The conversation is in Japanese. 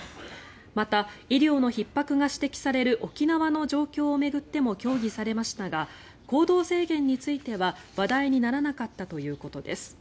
また、医療のひっ迫が指摘される沖縄の状況を巡っても協議されましたが行動制限については話題にならなかったということです。